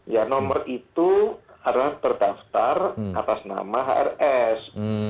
ya nomor itu adalah terdaftar atas nama hrs